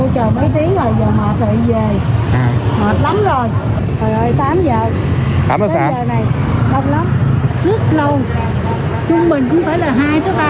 đông lắm rất lâu chung mình cũng phải là hai ba tiếng đồng hồ